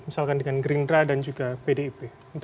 misalkan dengan gerindra dan juga pdip